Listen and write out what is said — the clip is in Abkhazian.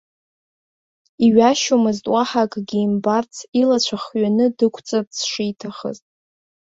Иҩашьомызт уаҳа акгьы имбарц, илацәа хҩаны дықәҵырц шиҭахыз.